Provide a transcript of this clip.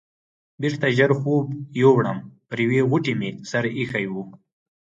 بېرته ژر خوب یووړم، پر یوې غوټې مې سر ایښی و.